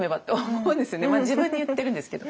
自分に言ってるんですけど。